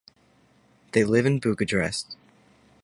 They live in Bucharest.